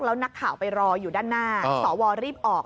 แล้วนักข่าวไปรออยู่ด้านหน้าสวรีบออก